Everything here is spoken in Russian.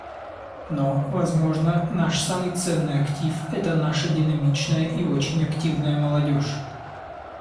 Но, возможно, наш самый ценный актив — это наша динамичная и очень активная молодежь.